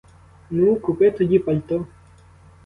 Ну, купи тоді пальто.